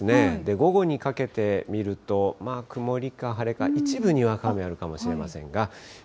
午後にかけて見ると、曇りか晴れか、一部にわか雨あるかもしれませんが。